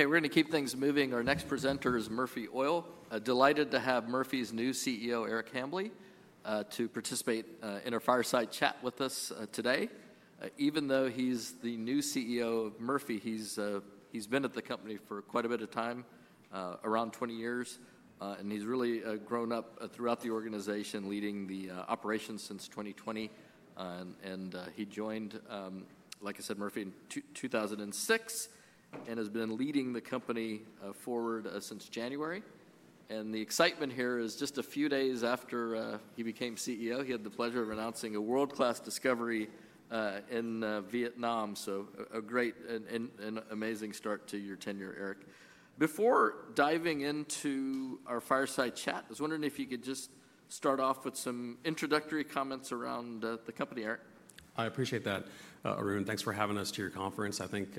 Okay, we're going to keep things moving. Our next presenter is Murphy Oil. Delighted to have Murphy's new CEO, Eric Hambly, to participate in our fireside chat with us today. Even though he's the new CEO of Murphy, he's been at the company for quite a bit of time, around 20 years, and he's really grown up throughout the organization, leading the operations since 2020. He joined, like I said, Murphy in 2006 and has been leading the company forward since January. The excitement here is just a few days after he became CEO, he had the pleasure of announcing a world-class discovery in Vietnam. A great and amazing start to your tenure, Eric. Before diving into our fireside chat, I was wondering if you could just start off with some introductory comments around the company, Eric. I appreciate that, Arun. Thanks for having us to your conference. I think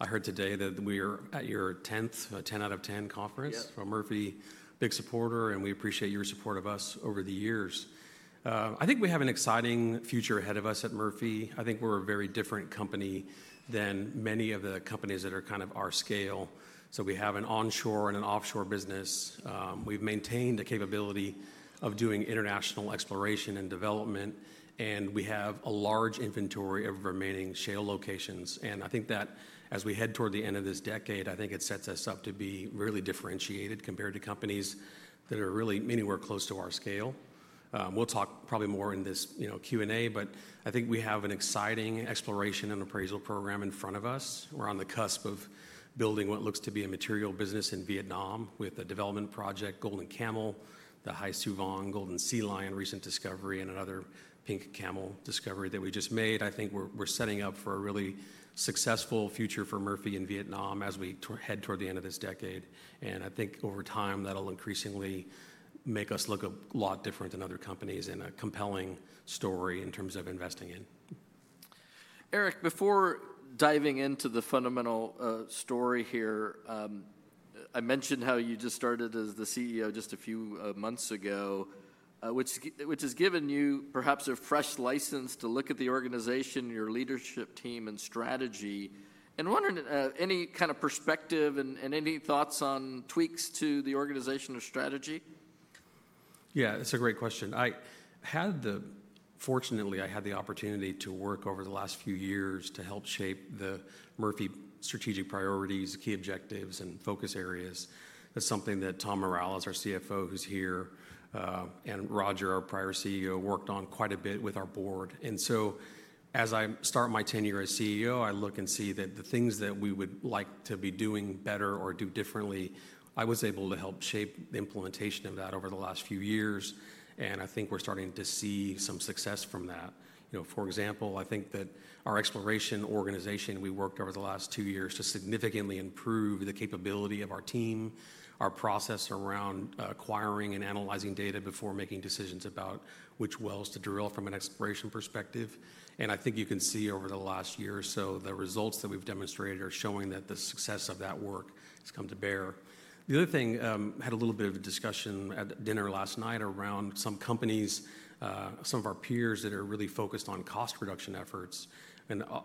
I heard today that we are at your 10th, 10 out of 10 conference. Yes. Murphy, big supporter, and we appreciate your support of us over the years. I think we have an exciting future ahead of us at Murphy. I think we're a very different company than many of the companies that are kind of our scale. We have an onshore and an offshore business. We've maintained the capability of doing international exploration and development, and we have a large inventory of remaining shale locations. I think that as we head toward the end of this decade, it sets us up to be really differentiated compared to companies that are really many more close to our scale. We'll talk probably more in this Q&A, but I think we have an exciting exploration and appraisal program in front of us. We're on the cusp of building what looks to be a material business in Vietnam with a development project, Golden Camel, the Hai Su Vong, Golden Sea Lion, recent discovery, and another Pink Camel discovery that we just made. I think we're setting up for a really successful future for Murphy in Vietnam as we head toward the end of this decade. I think over time that'll increasingly make us look a lot different than other companies and a compelling story in terms of investing in. Eric, before diving into the fundamental story here, I mentioned how you just started as the CEO just a few months ago, which has given you perhaps a fresh license to look at the organization, your leadership team, and strategy. I am wondering, any kind of perspective and any thoughts on tweaks to the organization or strategy? Yeah, that's a great question. Fortunately, I had the opportunity to work over the last few years to help shape the Murphy strategic priorities, key objectives, and focus areas. That's something that Tom Mireles, our CFO, who's here, and Roger, our prior CEO, worked on quite a bit with our board. As I start my tenure as CEO, I look and see that the things that we would like to be doing better or do differently, I was able to help shape the implementation of that over the last few years. I think we're starting to see some success from that. For example, I think that our exploration organization, we worked over the last two years to significantly improve the capability of our team, our process around acquiring and analyzing data before making decisions about which wells to drill from an exploration perspective. I think you can see over the last year or so, the results that we've demonstrated are showing that the success of that work has come to bear. The other thing, I had a little bit of a discussion at dinner last night around some companies, some of our peers that are really focused on cost reduction efforts.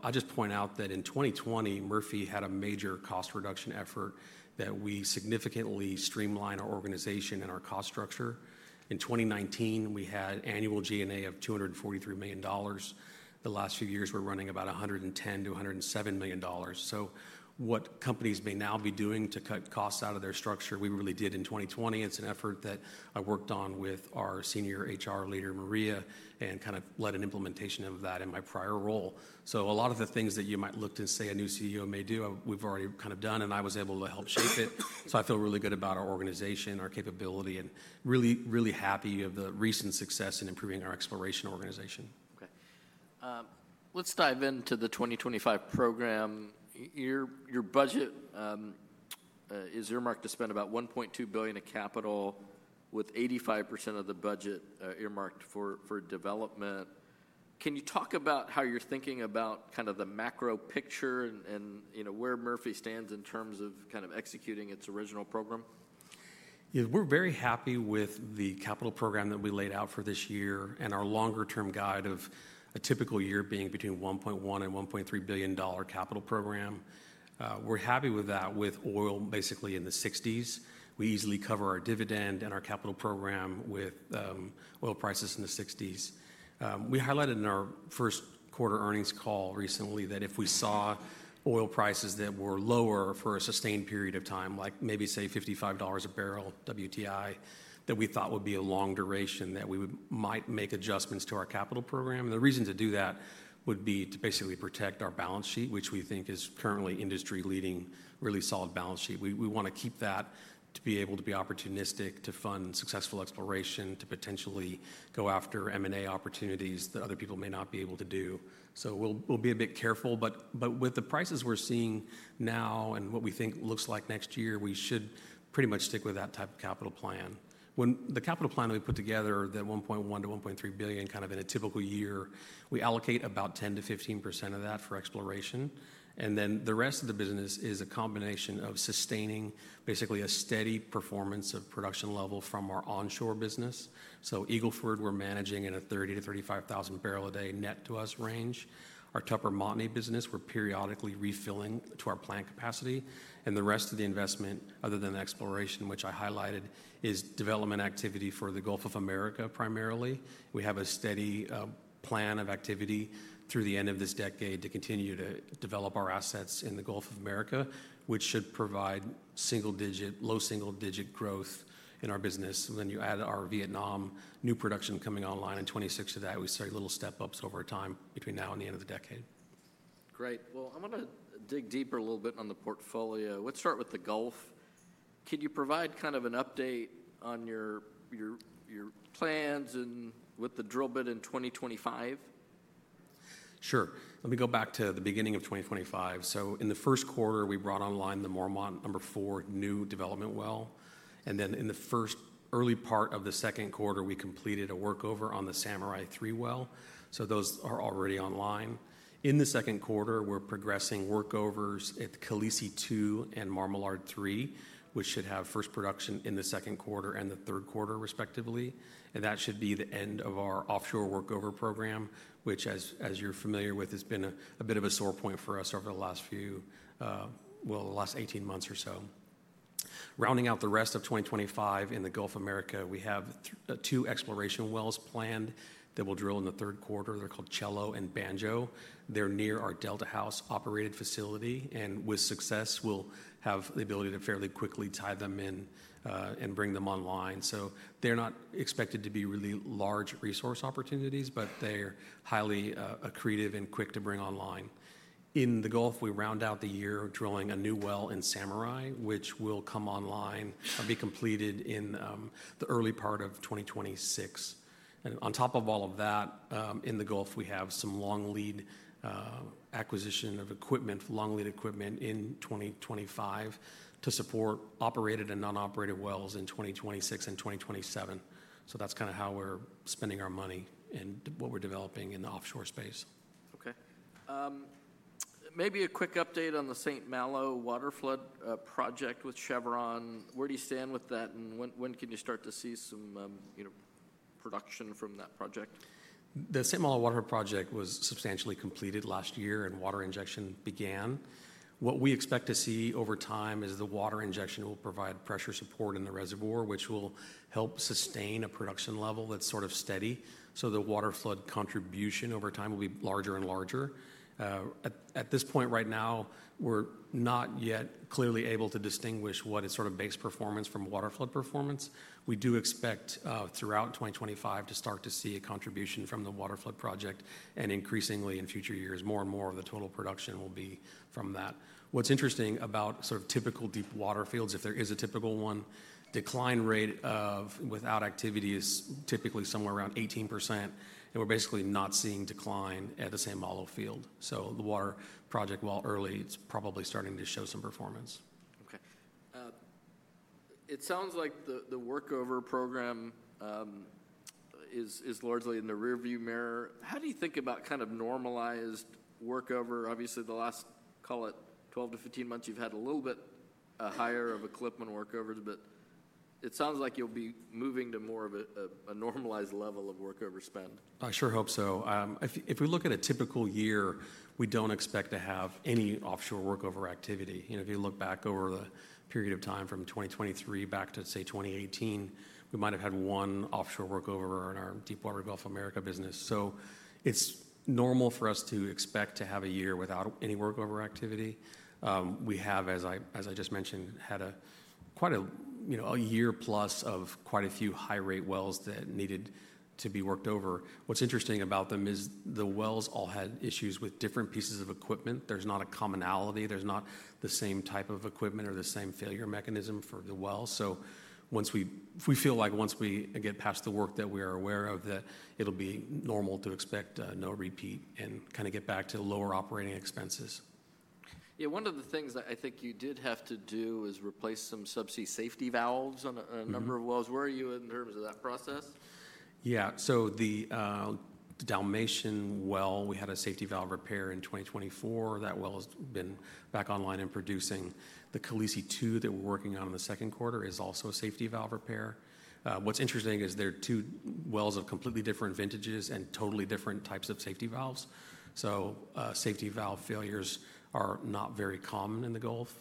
I'll just point out that in 2020, Murphy had a major cost reduction effort that we significantly streamlined our organization and our cost structure. In 2019, we had annual G&A of $243 million. The last few years, we're running about $110-$107 million. What companies may now be doing to cut costs out of their structure, we really did in 2020. It's an effort that I worked on with our senior HR leader, Maria, and kind of led an implementation of that in my prior role. A lot of the things that you might look to say a new CEO may do, we have already kind of done, and I was able to help shape it. I feel really good about our organization, our capability, and really, really happy of the recent success in improving our exploration organization. Okay. Let's dive into the 2025 program. Your budget is earmarked to spend about $1.2 billion of capital with 85% of the budget earmarked for development. Can you talk about how you're thinking about kind of the macro picture and where Murphy stands in terms of kind of executing its original program? Yeah, we're very happy with the capital program that we laid out for this year and our longer-term guide of a typical year being between $1.1 billion and $1.3 billion capital program. We're happy with that, with oil basically in the 60s. We easily cover our dividend and our capital program with oil prices in the 60s. We highlighted in our first quarter earnings call recently that if we saw oil prices that were lower for a sustained period of time, like maybe say $55 a barrel, WTI, that we thought would be a long duration, that we might make adjustments to our capital program. The reason to do that would be to basically protect our balance sheet, which we think is currently industry-leading, really solid balance sheet. We want to keep that to be able to be opportunistic to fund successful exploration, to potentially go after M&A opportunities that other people may not be able to do. We'll be a bit careful. With the prices we're seeing now and what we think looks like next year, we should pretty much stick with that type of capital plan. When the capital plan we put together, that $1.1-$1.3 billion kind of in a typical year, we allocate about 10%-15% of that for exploration. The rest of the business is a combination of sustaining basically a steady performance of production level from our onshore business. Eagle Ford, we're managing in a 30,000-35,000 barrel a day net to us range. Our Tupper Montney business, we're periodically refilling to our plant capacity. The rest of the investment, other than exploration, which I highlighted, is development activity for the Gulf of America primarily. We have a steady plan of activity through the end of this decade to continue to develop our assets in the Gulf of America, which should provide single-digit, low single-digit growth in our business. When you add our Vietnam new production coming online in 2026 to that, we started little step-ups over time between now and the end of the decade. Great. I want to dig deeper a little bit on the portfolio. Let's start with the Gulf. Can you provide kind of an update on your plans and with the drill bit in 2025? Sure. Let me go back to the beginning of 2025. In the first quarter, we brought online the Mormont number four new development well. In the first early part of the second quarter, we completed a workover on the Samurai three well. Those are already online. In the second quarter, we are progressing workovers at the Khaleesi two and Marmalard three, which should have first production in the second quarter and the third quarter, respectively. That should be the end of our offshore workover program, which, as you are familiar with, has been a bit of a sore point for us over the last few, well, the last 18 months or so. Rounding out the rest of 2025 in the Gulf of America, we have two exploration wells planned that will drill in the third quarter. They are called Cello and Banjo. They're near our Delta House operated facility. With success, we'll have the ability to fairly quickly tie them in and bring them online. They're not expected to be really large resource opportunities, but they're highly accretive and quick to bring online. In the Gulf, we round out the year drilling a new well in Samurai, which will come online and be completed in the early part of 2026. On top of all of that, in the Gulf, we have some long lead acquisition of equipment, long lead equipment in 2025 to support operated and non-operated wells in 2026 and 2027. That's kind of how we're spending our money and what we're developing in the offshore space. Okay. Maybe a quick update on the St. Malo water flood project with Chevron. Where do you stand with that? When can you start to see some production from that project? The St. Malo water project was substantially completed last year and water injection began. What we expect to see over time is the water injection will provide pressure support in the reservoir, which will help sustain a production level that's sort of steady. The water flood contribution over time will be larger and larger. At this point right now, we're not yet clearly able to distinguish what is sort of base performance from water flood performance. We do expect throughout 2025 to start to see a contribution from the water flood project, and increasingly in future years, more and more of the total production will be from that. What's interesting about sort of typical deep water fields, if there is a typical one, decline rate of without activity is typically somewhere around 18%. We're basically not seeing decline at the St. Malo field. The water project, while early, it's probably starting to show some performance. Okay. It sounds like the workover program is largely in the rearview mirror. How do you think about kind of normalized workover? Obviously, the last, call it 12 to 15 months, you've had a little bit higher of equipment workovers, but it sounds like you'll be moving to more of a normalized level of workover spend. I sure hope so. If we look at a typical year, we do not expect to have any offshore workover activity. If you look back over the period of time from 2023 back to say 2018, we might have had one offshore workover in our deep water Gulf of America business. It is normal for us to expect to have a year without any workover activity. We have, as I just mentioned, had quite a year plus of quite a few high-rate wells that needed to be worked over. What is interesting about them is the wells all had issues with different pieces of equipment. There is not a commonality. There is not the same type of equipment or the same failure mechanism for the wells. We feel like once we get past the work that we are aware of, that it'll be normal to expect no repeat and kind of get back to lower operating expenses. Yeah. One of the things that I think you did have to do is replace some subsea safety valves on a number of wells. Where are you in terms of that process? Yeah. So the Dalmation well, we had a safety valve repair in 2024. That well has been back online and producing. The Khaleesi two that we're working on in the second quarter is also a safety valve repair. What's interesting is there are two wells of completely different vintages and totally different types of safety valves. Safety valve failures are not very common in the Gulf.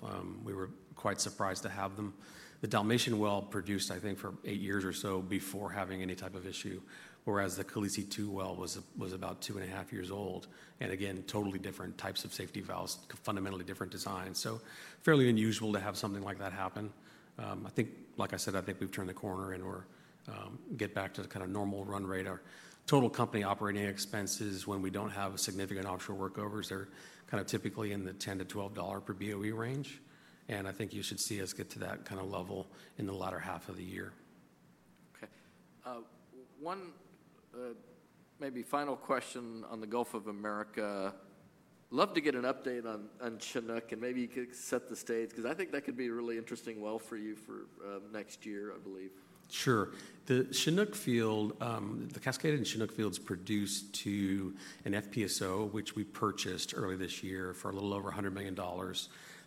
We were quite surprised to have them. The Dalmation well produced, I think, for eight years or so before having any type of issue, whereas the Khaleesi two well was about two and a half years old. Again, totally different types of safety valves, fundamentally different designs. Fairly unusual to have something like that happen. I think, like I said, I think we've turned the corner and we're getting back to kind of normal run rate. Our total company operating expenses, when we do not have significant offshore workovers, they are kind of typically in the $10-$12 per BOE range. I think you should see us get to that kind of level in the latter half of the year. Okay. One maybe final question on the Gulf of America. Love to get an update on Chinook and maybe you could set the stage because I think that could be a really interesting well for you for next year, I believe. Sure. The Chinook field, the Cascadia and Chinook fields produced to an FPSO, which we purchased early this year for a little over $100 million.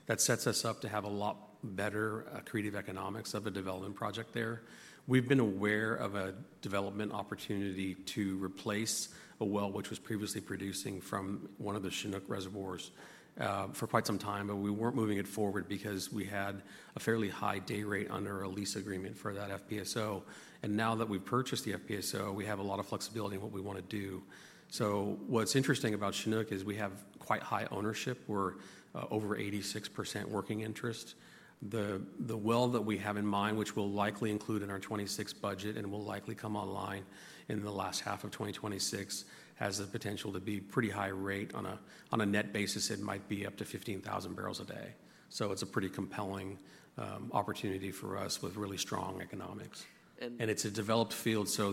That sets us up to have a lot better creative economics of a development project there. We've been aware of a development opportunity to replace a well which was previously producing from one of the Chinook reservoirs for quite some time, but we were not moving it forward because we had a fairly high day rate under a lease agreement for that FPSO. Now that we've purchased the FPSO, we have a lot of flexibility in what we want to do. What's interesting about Chinook is we have quite high ownership. We're over 86% working interest. The well that we have in mind, which we'll likely include in our 2026 budget and will likely come online in the last half of 2026, has the potential to be pretty high rate on a net basis. It might be up to 15,000 barrels a day. It is a pretty compelling opportunity for us with really strong economics. It is a developed field, so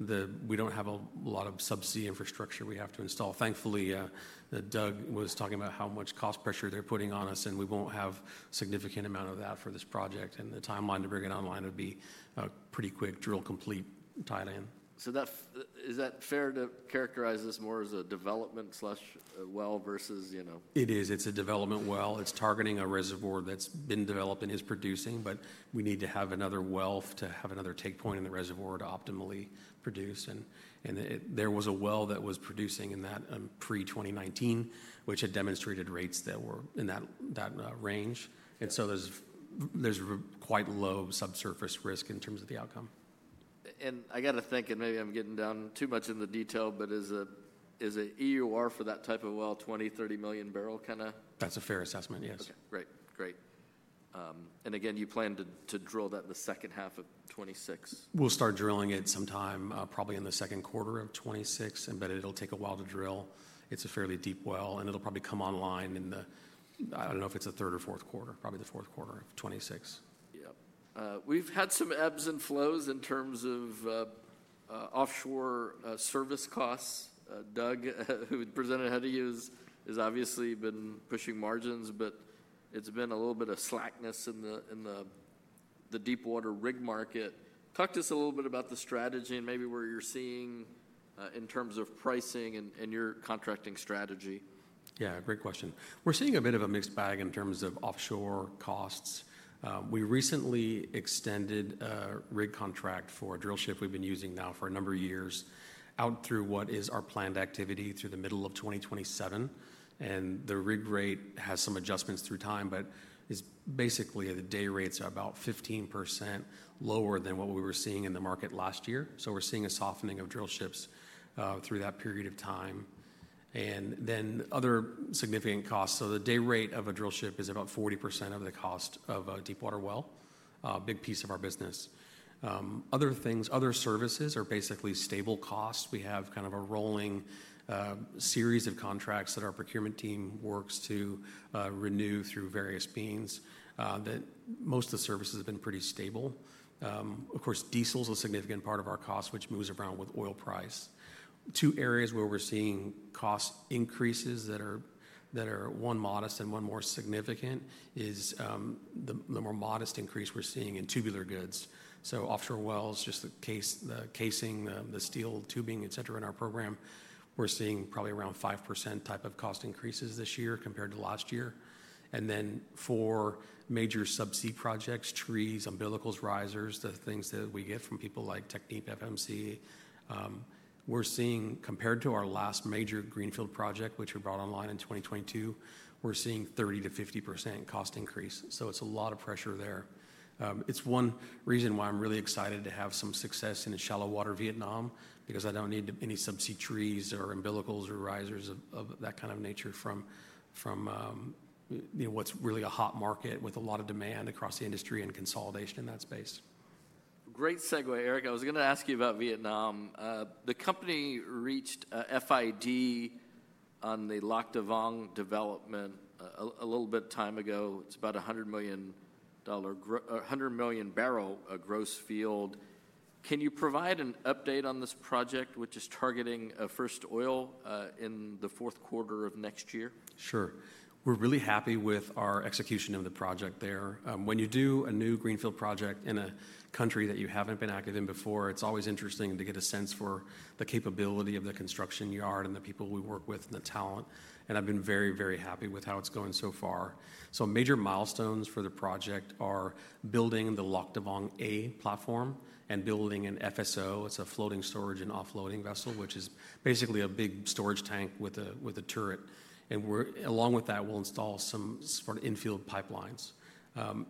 we do not have a lot of subsea infrastructure we have to install. Thankfully, Doug was talking about how much cost pressure they are putting on us, and we will not have a significant amount of that for this project. The timeline to bring it online would be a pretty quick drill complete tied in. Is that fair to characterize this more as a development slash well versus? It is. It's a development well. It's targeting a reservoir that's been developed and is producing, but we need to have another well to have another take point in the reservoir to optimally produce. There was a well that was producing in that pre-2019, which had demonstrated rates that were in that range. There is quite low subsurface risk in terms of the outcome. I got to think, and maybe I'm getting down too much into detail, but is an EUR for that type of well, 20-30 million barrel kind of? That's a fair assessment, yes. Okay. Great. Great. You plan to drill that in the second half of 2026? We'll start drilling it sometime probably in the second quarter of 2026, but it'll take a while to drill. It's a fairly deep well, and it'll probably come online in the, I don't know if it's the third or fourth quarter, probably the fourth quarter of 2026. Yep. We've had some ebbs and flows in terms of offshore service costs. Doug, who presented how to use, has obviously been pushing margins, but it's been a little bit of slackness in the deepwater rig market. Talk to us a little bit about the strategy and maybe where you're seeing in terms of pricing and your contracting strategy. Yeah, great question. We're seeing a bit of a mixed bag in terms of offshore costs. We recently extended a rig contract for a drill ship we've been using now for a number of years out through what is our planned activity through the middle of 2027. The rig rate has some adjustments through time, but basically the day rates are about 15% lower than what we were seeing in the market last year. We're seeing a softening of drill ships through that period of time. Other significant costs, the day rate of a drill ship is about 40% of the cost of a deep water well, a big piece of our business. Other things, other services are basically stable costs. We have kind of a rolling series of contracts that our procurement team works to renew through various means that most of the services have been pretty stable. Of course, diesel is a significant part of our cost, which moves around with oil price. Two areas where we're seeing cost increases that are one modest and one more significant is the more modest increase we're seeing in tubular goods. So offshore wells, just the casing, the steel tubing, et cetera, in our program, we're seeing probably around 5% type of cost increases this year compared to last year. And then for major subsea projects, trees, umbilicals, risers, the things that we get from people like Technip, FMC, we're seeing compared to our last major greenfield project, which we brought online in 2022, we're seeing 30-50% cost increase. So it's a lot of pressure there. It's one reason why I'm really excited to have some success in a shallow water Vietnam because I don't need any subsea trees or umbilicals or risers of that kind of nature from what's really a hot market with a lot of demand across the industry and consolidation in that space. Great segue, Eric. I was going to ask you about Vietnam. The company reached FID on the Lac Da Vang development a little bit of time ago. It's about a 100 million barrel gross field. Can you provide an update on this project, which is targeting a first oil in the fourth quarter of next year? Sure. We're really happy with our execution of the project there. When you do a new greenfield project in a country that you haven't been active in before, it's always interesting to get a sense for the capability of the construction yard and the people we work with and the talent. I've been very, very happy with how it's going so far. Major milestones for the project are building the Lac Da Vang A platform and building an FSO. It's a floating storage and offloading vessel, which is basically a big storage tank with a turret. Along with that, we'll install some sort of infield pipelines.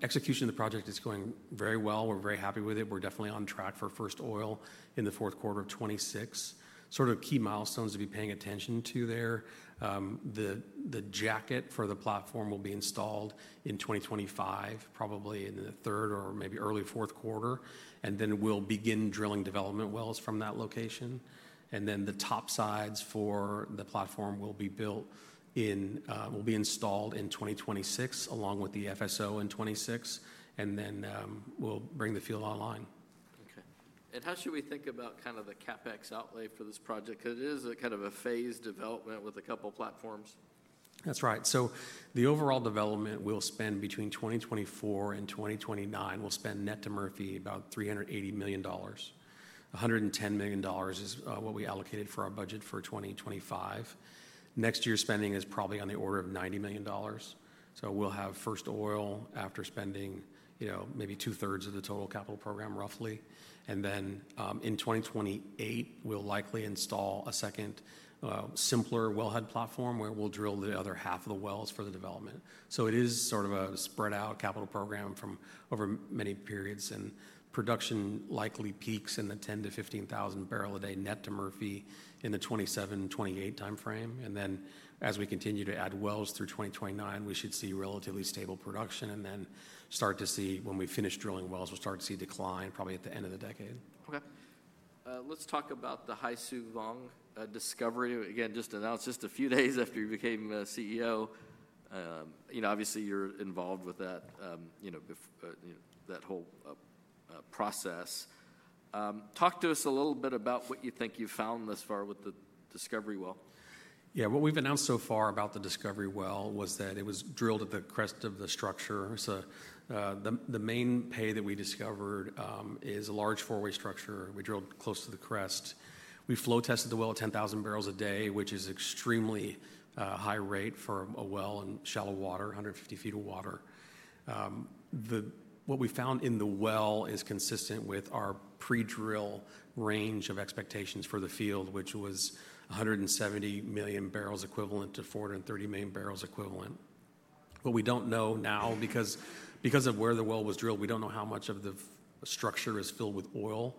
Execution of the project is going very well. We're very happy with it. We're definitely on track for first oil in the fourth quarter of 2026. Sort of key milestones to be paying attention to there. The jacket for the platform will be installed in 2025, probably in the third or maybe early fourth quarter. We will begin drilling development wells from that location. The top sides for the platform will be built in, will be installed in 2026 along with the FSO in 2026. We will bring the field online. Okay. How should we think about kind of the CapEx outlay for this project? Because it is kind of a phased development with a couple of platforms. That's right. The overall development will spend between 2024 and 2029, we'll spend net to Murphy about $380 million. $110 million is what we allocated for our budget for 2025. Next year's spending is probably on the order of $90 million. We'll have first oil after spending maybe two-thirds of the total capital program roughly. In 2028, we'll likely install a second, simpler wellhead platform where we'll drill the other half of the wells for the development. It is sort of a spread out capital program from over many periods. Production likely peaks in the 10,000-15,000 barrel a day net to Murphy in the 2027, 2028 timeframe. As we continue to add wells through 2029, we should see relatively stable production. Then start to see when we finish drilling wells, we'll start to see decline probably at the end of the decade. Okay. Let's talk about the Hai Su Vong discovery. Again, just announced just a few days after you became CEO. Obviously, you're involved with that whole process. Talk to us a little bit about what you think you've found thus far with the discovery well. Yeah. What we've announced so far about the discovery well was that it was drilled at the crest of the structure. The main pay that we discovered is a large four-way structure. We drilled close to the crest. We flow tested the well at 10,000 barrels a day, which is an extremely high rate for a well in shallow water, 150 feet of water. What we found in the well is consistent with our pre-drill range of expectations for the field, which was 170 million barrels equivalent to 430 million barrels equivalent. We do not know now because of where the well was drilled, we do not know how much of the structure is filled with oil.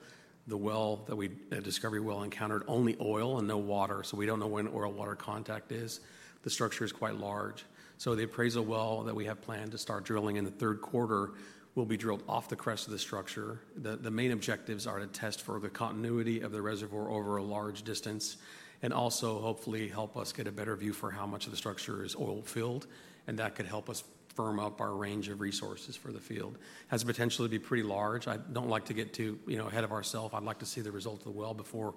The discovery well encountered only oil and no water. We do not know when oil-water contact is. The structure is quite large. The appraisal well that we have planned to start drilling in the third quarter will be drilled off the crest of the structure. The main objectives are to test for the continuity of the reservoir over a large distance and also hopefully help us get a better view for how much of the structure is oil-filled. That could help us firm up our range of resources for the field. It has a potential to be pretty large. I do not like to get too ahead of ourself. I would like to see the result of the well before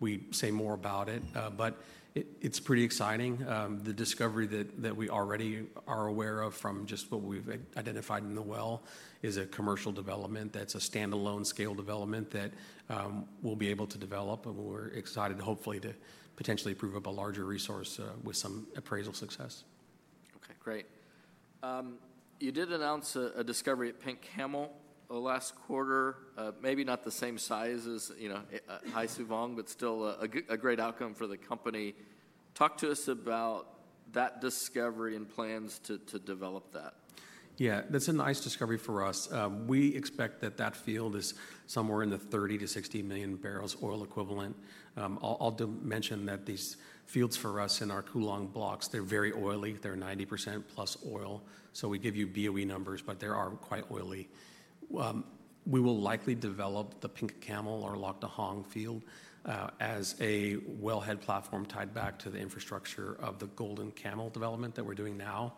we say more about it. It is pretty exciting. The discovery that we already are aware of from just what we have identified in the well is a commercial development. That is a standalone scale development that we will be able to develop. We're excited, hopefully, to potentially prove up a larger resource with some appraisal success. Okay. Great. You did announce a discovery at Pink Camel last quarter, maybe not the same size as Hai Su Vong, but still a great outcome for the company. Talk to us about that discovery and plans to develop that. Yeah. That's a nice discovery for us. We expect that that field is somewhere in the 30-60 million barrels oil equivalent. I'll mention that these fields for us in our Cuu Long blocks, they're very oily. They're 90% plus oil. So we give you BOE numbers, but they are quite oily. We will likely develop the Pink Camel or Lac Da Vang field as a wellhead platform tied back to the infrastructure of the Golden Camel development that we're doing now.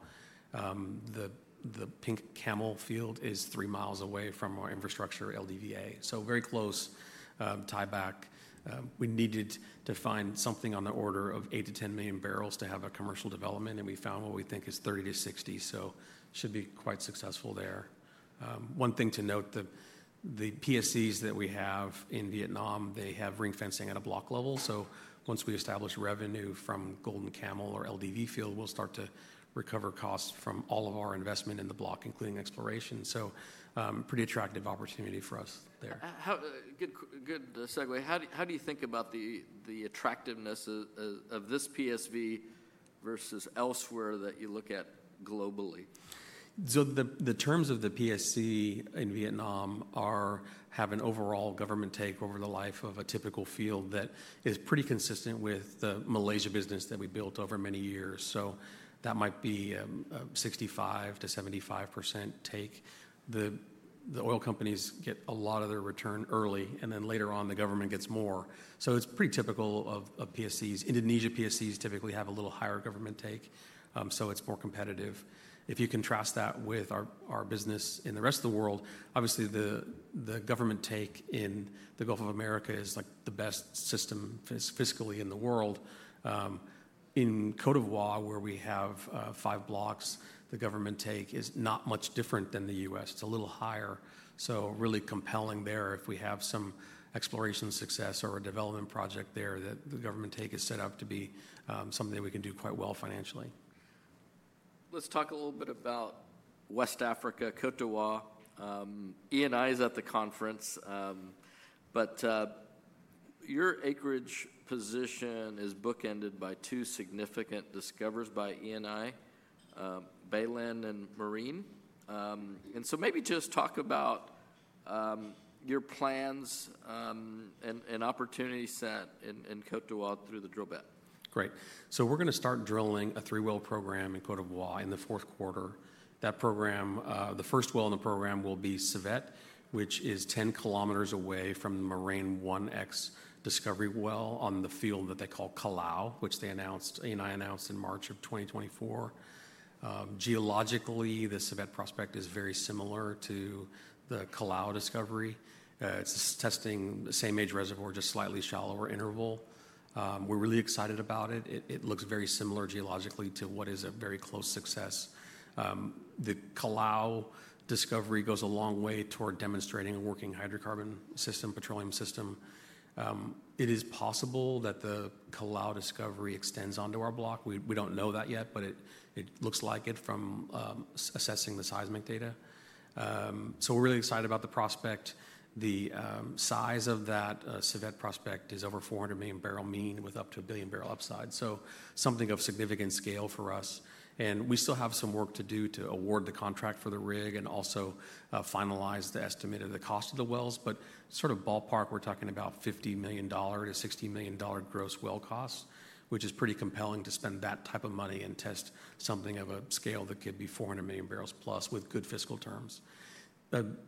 The Pink Camel field is three miles away from our infrastructure LDVA. So very close tie back. We needed to find something on the order of 8-10 million barrels to have a commercial development. And we found what we think is 30-60. So it should be quite successful there. One thing to note, the PSCs that we have in Vietnam, they have ring fencing at a block level. Once we establish revenue from Golden Camel or LDV field, we'll start to recover costs from all of our investment in the block, including exploration. Pretty attractive opportunity for us there. Good segue. How do you think about the attractiveness of this PSV versus elsewhere that you look at globally? The terms of the PSC in Vietnam have an overall government take over the life of a typical field that is pretty consistent with the Malaysia business that we built over many years. That might be a 65%-75% take. The oil companies get a lot of their return early, and then later on, the government gets more. It is pretty typical of PSCs. Indonesia PSCs typically have a little higher government take, so it is more competitive. If you contrast that with our business in the rest of the world, obviously the government take in the Gulf of America is like the best system fiscally in the world. In Côte d'Ivoire, where we have five blocks, the government take is not much different than the U.S., it is a little higher. Really compelling there if we have some exploration success or a development project there that the government take is set up to be something that we can do quite well financially. Let's talk a little bit about West Africa, Côte d'Ivoire. Eni is at the conference, but your acreage position is bookended by two significant discoveries by Eni, Baleine and Marine. Maybe just talk about your plans and opportunity set in Côte d'Ivoire through the drill bit. Great. We're going to start drilling a three-well program in Côte d'Ivoire in the fourth quarter. That program, the first well in the program will be Savette, which is 10 kilometers away from the Marine 1X discovery well on the field that they call Kalau, which they announced, Eni announced in March of 2024. Geologically, the Savette prospect is very similar to the Kalau discovery. It's testing the same age reservoir, just slightly shallower interval. We're really excited about it. It looks very similar geologically to what is a very close success. The Kalau discovery goes a long way toward demonstrating a working hydrocarbon system, petroleum system. It is possible that the Kalau discovery extends onto our block. We don't know that yet, but it looks like it from assessing the seismic data. We're really excited about the prospect. The size of that Savette prospect is over 400 million barrel mean with up to a billion barrel upside. Something of significant scale for us. We still have some work to do to award the contract for the rig and also finalize the estimate of the cost of the wells. Sort of ballpark, we're talking about $50 million-$60 million gross well cost, which is pretty compelling to spend that type of money and test something of a scale that could be 400 million barrels plus with good fiscal terms.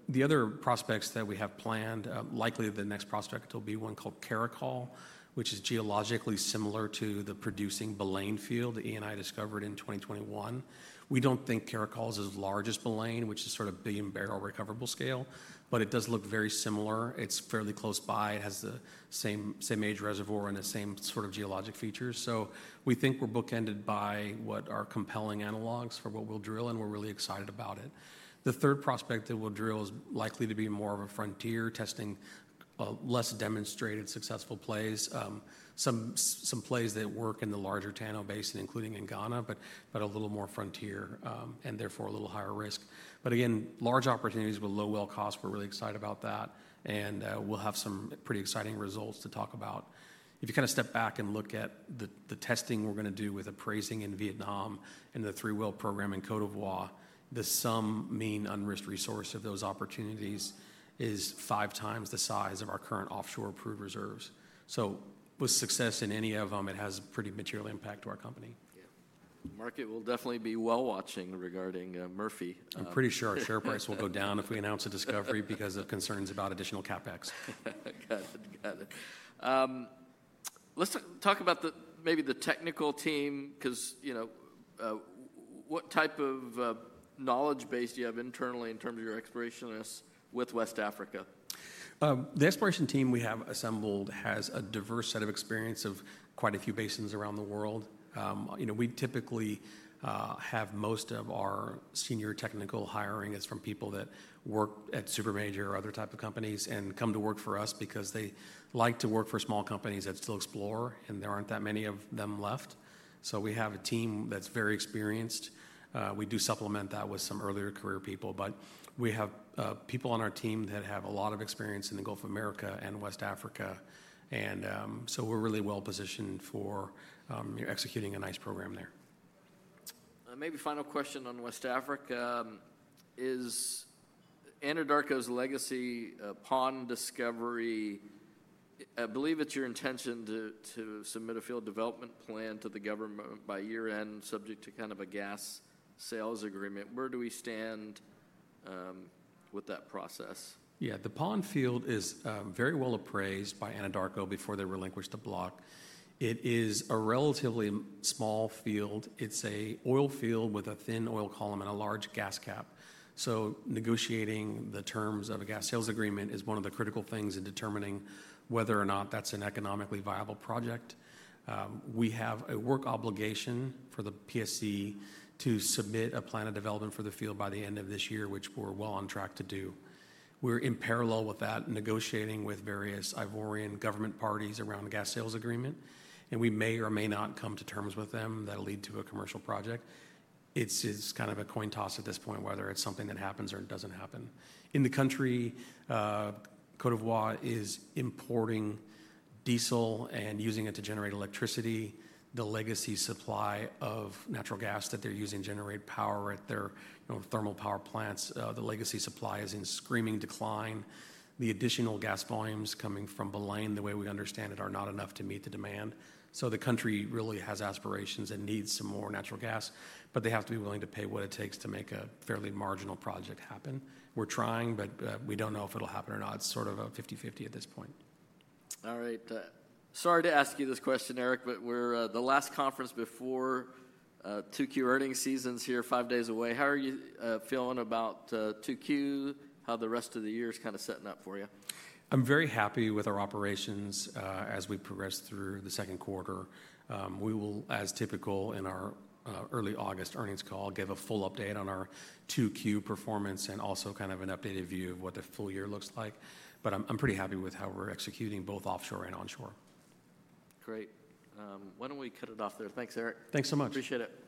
The other prospects that we have planned, likely the next prospect will be one called Caracal, which is geologically similar to the producing Baleine field that Eni discovered in 2021. We do not think Caracal is as large as Baleine, which is sort of a billion barrel recoverable scale, but it does look very similar. It's fairly close by. It has the same age reservoir and the same sort of geologic features. We think we're bookended by what are compelling analogs for what we'll drill, and we're really excited about it. The third prospect that we'll drill is likely to be more of a frontier, testing less demonstrated successful plays, some plays that work in the larger Tano Basin, including in Ghana, but a little more frontier and therefore a little higher risk. Again, large opportunities with low well cost. We're really excited about that. We'll have some pretty exciting results to talk about. If you kind of step back and look at the testing we're going to do with appraising in Vietnam and the three-well program in Côte d'Ivoire, the sum mean unrisked resource of those opportunities is five times the size of our current offshore approved reserves. With success in any of them, it has a pretty material impact to our company. Yeah. Market will definitely be well watching regarding Murphy. I'm pretty sure our share price will go down if we announce a discovery because of concerns about additional CapEx. Got it. Got it. Let's talk about maybe the technical team because what type of knowledge base do you have internally in terms of your explorationists with West Africa? The exploration team we have assembled has a diverse set of experience of quite a few basins around the world. We typically have most of our senior technical hiring is from people that work at Super Major or other types of companies and come to work for us because they like to work for small companies that still explore, and there aren't that many of them left. We have a team that's very experienced. We do supplement that with some earlier career people, but we have people on our team that have a lot of experience in the Gulf of America and West Africa. We are really well positioned for executing a nice program there. Maybe final question on West Africa is Anadarko's legacy Pond discovery. I believe it's your intention to submit a field development plan to the government by year-end, subject to kind of a gas sales agreement. Where do we stand with that process? Yeah. The Pond field is very well appraised by Anadarko before they relinquished the block. It is a relatively small field. It's an oil field with a thin oil column and a large gas cap. Negotiating the terms of a gas sales agreement is one of the critical things in determining whether or not that's an economically viable project. We have a work obligation for the PSC to submit a plan of development for the field by the end of this year, which we're well on track to do. We're in parallel with that, negotiating with various Ivorian government parties around a gas sales agreement. We may or may not come to terms with them that'll lead to a commercial project. It's kind of a coin toss at this point, whether it's something that happens or it doesn't happen. In the country, Côte d'Ivoire is importing diesel and using it to generate electricity. The legacy supply of natural gas that they're using to generate power at their thermal power plants, the legacy supply is in screaming decline. The additional gas volumes coming from Baleine, the way we understand it, are not enough to meet the demand. The country really has aspirations and needs some more natural gas, but they have to be willing to pay what it takes to make a fairly marginal project happen. We're trying, but we don't know if it'll happen or not. It's sort of a 50-50 at this point. All right. Sorry to ask you this question, Eric, but we're the last conference before 2Q earning season is here, five days away. How are you feeling about 2Q? How the rest of the year is kind of setting up for you? I'm very happy with our operations as we progress through the second quarter. We will, as typical in our early August earnings call, give a full update on our 2Q performance and also kind of an updated view of what the full year looks like. I'm pretty happy with how we're executing both offshore and onshore. Great. Why don't we cut it off there? Thanks, Eric. Thanks so much. Appreciate it.